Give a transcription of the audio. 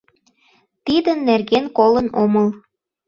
— Тидын нерген колын омыл.